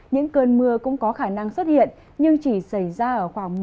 những cơn mưa cũng có khả năng xuất hiện nhưng chỉ xảy ra ở khoảng ba ngày